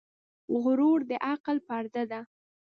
غرور د عقل پرده ده .